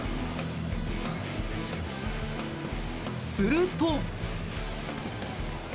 すると。